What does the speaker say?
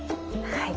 はい！